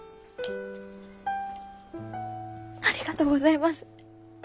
ありがとうございます。